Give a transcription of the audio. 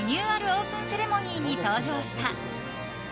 オープンセレモニーに登場した。